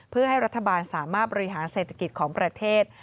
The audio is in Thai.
เพื่อให้รัฐบาลสามารถบริหารเศรษฐกิจของประเทศ